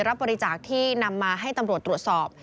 รับบริจาคที่นำมาให้ตำรวจตรวจสอบ